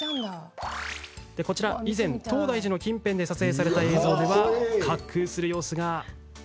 以前、東大寺近辺で撮影された映像では滑空する様子が。